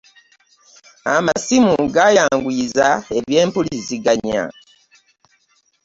Amasimu gayanguyizza ebyempuliziganya .